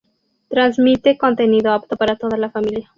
Transmite contenido apto para toda la familia.